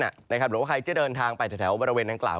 หรือว่าใครจะเดินทางไปแถวบริเวณดังกล่าว